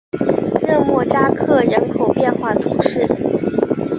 热莫扎克人口变化图示